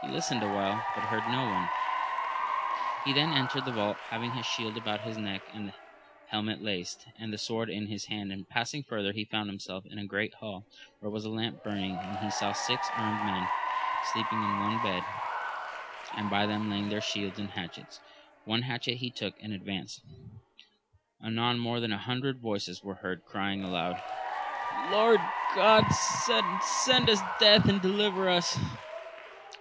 He listened awhile, but heard no more ; he then entered the vault, having his shield about his neck and the helmet laced, and the sword in his hand; and passing further he found himself in a great hall, where was a lamp burning, and he saw six armed men sleeping in one bed, and by them lay their shields and hatchets. One hatchet he took, and advanced. Anon more than a hundred voices were heard crying aloud, Lord God send us death and deliver us!